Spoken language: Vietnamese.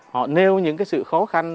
họ nêu những cái sự khó khăn